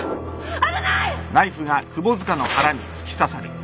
危ない！